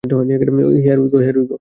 Here we go!